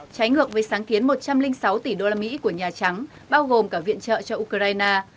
trái ngược với sáng kiến một trăm linh sáu tỷ đô la mỹ của nhà trắng bao gồm cả viện trợ cho ukraine